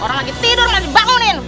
orang lagi tidur lagi bangunin